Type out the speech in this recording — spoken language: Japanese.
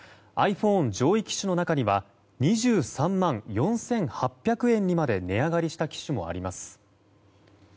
ｉＰｈｏｎｅ上位機種の中には２３万４８００円にまで値上がりした機種もあります。